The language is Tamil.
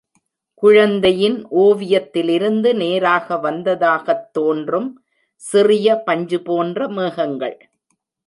குழந்தையின் ஓவியத்திலிருந்து நேராக வந்ததாகத் தோன்றும் சிறிய பஞ்சுபோன்ற மேகங்கள்.